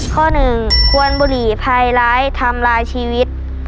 ข้อหนึ่งควรบุหรี่ภัยร้ายทำร้ายชีวิต